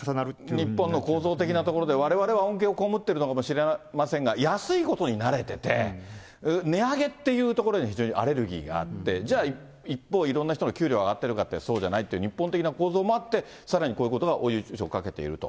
日本の構造的なところで、われわれは恩恵を被ってるのかもしれませんが、安いことに慣れてて、値上げっていうところに非常にアレルギーがあって、一方、いろんな人の給料が上がってるかっていうとそうじゃないっていう、日本的な構造もあって、さらにこういうことが追い打ちをかけていると。